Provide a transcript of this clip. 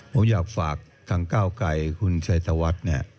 ผมอยากฝากทางเก้าไกยคุณไซต์ตวัด